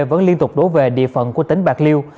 vẫn liên tục đổ về địa phận của tỉnh bạc liêu